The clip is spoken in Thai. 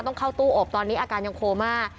ต้องเข้าตู้อบตอนนี้อาการยังโคม่า